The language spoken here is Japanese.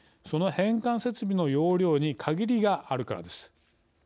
その変換設備の容量に限りがあるからです。